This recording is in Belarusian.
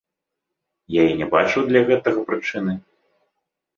Я і не бачыў для гэтага прычыны.